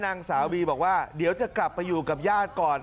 นางสาวบีบอกว่าเดี๋ยวจะกลับไปอยู่กับญาติก่อน